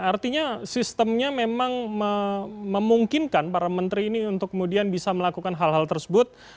artinya sistemnya memang memungkinkan para menteri ini untuk kemudian bisa melakukan hal hal tersebut